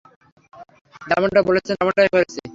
যেমনটা বলেছেন তেমনটাই করেছি!